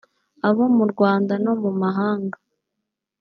abo mu Rwanda no mu mahanga’